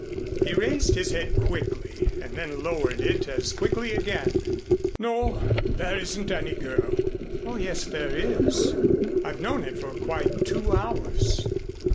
He raised his head quickly, and then lowered it as quickly again. "No, there isn't any girl." "Oh, yes, there is. I've known it for quite two hours."